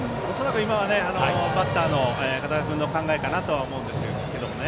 今はバッターの堅田君の考えかなと思うんですけどね。